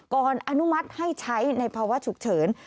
ก่อนอนุมัติให้ใช้ในภาวะถุเฉิน